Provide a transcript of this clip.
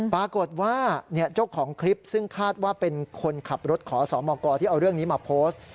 ปรากฏว่าเจ้าของคลิปซึ่งคาดว่าเป็นคนขับรถขอสมกที่เอาเรื่องนี้มาโพสต์